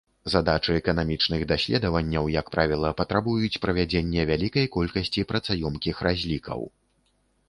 Задачы эканамічных даследаванняў, як правіла, патрабуюць правядзення вялікай колькасці працаёмкіх разлікаў.